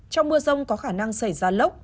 trong mưa rông có khả năng xảy ra lốc